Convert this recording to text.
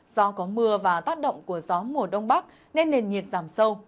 do có mưa và tác động của gió mùa đông bắc nên nền nhiệt giảm sâu